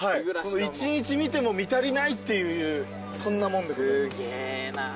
一日見ても見足りないっていうそんな門でございます。